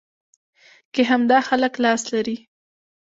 کې همدا خلک لاس لري.